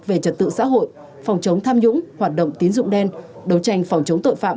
về trật tự xã hội phòng chống tham nhũng hoạt động tín dụng đen đấu tranh phòng chống tội phạm